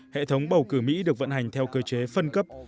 hệ thống bầu cử mỹ được vận hành theo cơ chế phân cấp